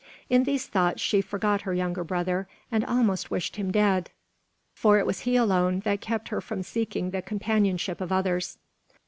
In these thoughts she forgot her younger brother, and almost wished him dead; for it was he alone that kept her from seeking the companionship of others.